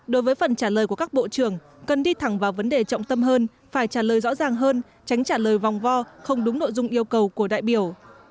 đối với phần trả lời của các bộ trưởng cần đi thẳng vào vấn đề trọng tâm hơn phải trả lời rõ ràng hơn tránh trả lời vòng vo không đúng nội dung yêu cầu của đại biểu